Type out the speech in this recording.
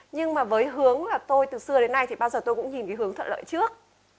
nhưng mà với hướng là tôi từ xưa đến nay thì bao giờ tôi cũng nhìn cái hướng thuận lợi trước